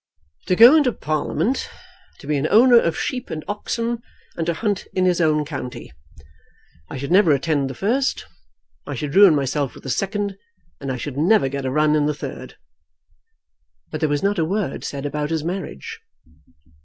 "To go into Parliament, to be an owner of sheep and oxen, and to hunt in his own county. I should never attend the first, I should ruin myself with the second, and I should never get a run in the third." But there was not a word said about his marriage.